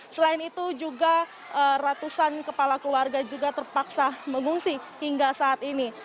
selain itu juga ratusan kepala keluarga juga terpaksa mengungsi hingga saat ini